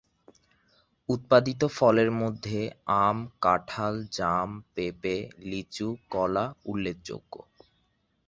উৎপাদিত ফলের মধ্যে আম, কাঁঠাল, জাম, পেঁপে, লিচু, কলা উল্লেখযোগ্য।